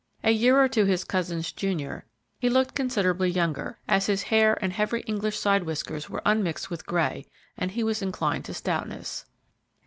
A year or two his cousin's junior, he looked considerably younger; as his hair and heavy English side whiskers were unmixed with gray and he was inclined to stoutness.